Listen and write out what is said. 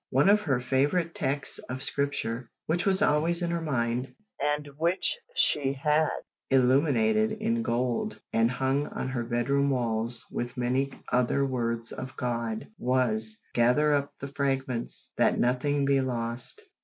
One of her favourite texts of Scripture, which was always in her mind, and which she had illuminated in gold and hung on her bedroom walls with many other words of God, was, "Gather up the fragments, that nothing be lost."